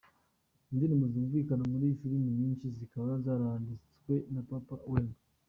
Indirimbo zumvikana muri iyi filimi nyinshi zikaba zaranditswe na Papa Wemba.